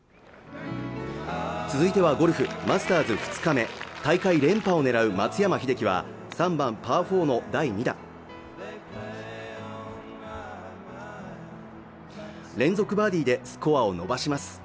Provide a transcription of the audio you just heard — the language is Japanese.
続いてはゴルフマスターズ２日目大会連覇を狙う松山英樹は３番パー４の第２打連続バーディーでスコアを伸ばします